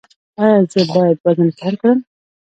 ایا زه باید وزن کم کړم؟